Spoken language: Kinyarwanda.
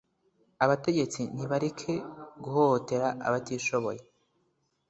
Abategetsi nibareke guhohotera abatishoboye